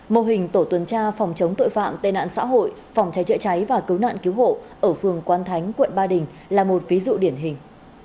mô hình tổ tuần tra phòng chống tội phạm tên ạn xã hội phòng cháy chữa cháy và cứu nạn cứu hộ ở phường quán thánh quận ba đình là một ví dụ điển hình